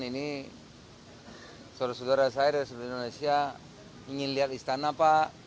ini saudara saudara saya dari seluruh indonesia ingin lihat istana pak